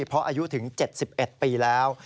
เพราะอายุถึง๗๑ปีแล้ว